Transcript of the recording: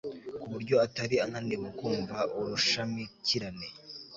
ku buryo atari ananiwe kumva urushamikirane